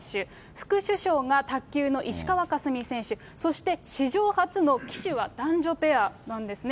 副主将が卓球の石川佳純選手、そして史上初の旗手は男女ペアなんですね。